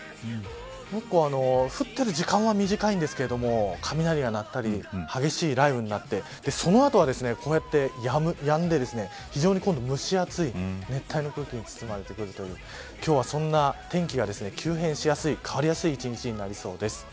降っている時間は短いんですけれども雷が鳴ったり激しい雷雨になってその後は、こうやってやんで非常に今度は蒸し暑い熱帯の空気に包まれてくるという今日はそんな天気が急変しやすい変わりやすい一日になりそうです。